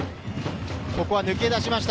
ここは抜け出しました。